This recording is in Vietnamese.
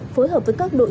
phối hợp với các đội trưởng